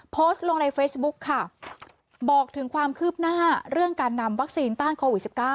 โพสต์ลงในเฟซบุ๊คค่ะบอกถึงความคืบหน้าเรื่องการนำวัคซีนต้านโควิด๑๙